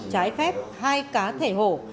trái phép hai cá thể hổ